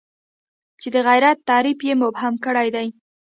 چې د غیرت تعریف یې مبهم کړی دی.